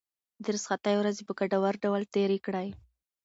د رخصتۍ ورځې په ګټور ډول تېرې کړئ.